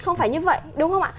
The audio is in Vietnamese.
không phải như vậy đúng không ạ